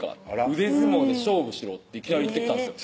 「腕相撲で勝負しろ」っていきなり言ってきたんですよ